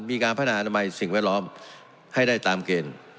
มีการพัฒนาอนามัยสิ่งแวดล้อมให้ได้ตามเกณฑ์